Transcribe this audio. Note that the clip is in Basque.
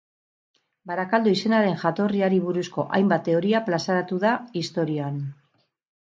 Barakaldo izenaren jatorriari buruzko hainbat teoria plazaratu da, historian